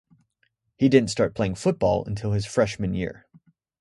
He didn't start playing football until his freshman year.